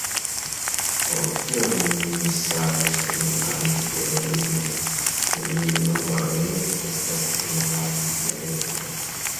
Por kio vi min savis el malliberejo, se mi nun ree estas en malliberejo?